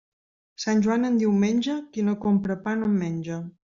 Sant Joan en diumenge, qui no compra pa no en menja.